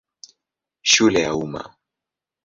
Shule ya Umma.